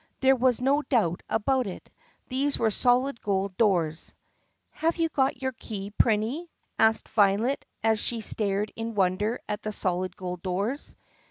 There was no doubt about it. These were solid gold doors. "Have you got your key, Prinny*?" asked Violet as she stared in wonder at the solid gold doors.